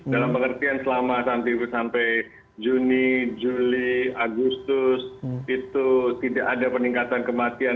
dalam pengertian selama nanti sampai juni juli agustus itu tidak ada peningkatan kematian